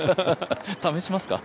試しますか？